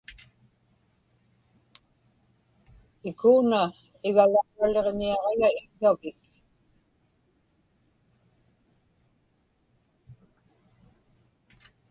ikuuna igalauraliġniaġiga iggavik